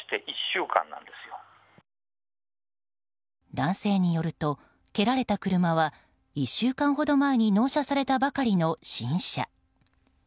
男性によると蹴られた車は１週間ほど前に納車されたばかりの新車。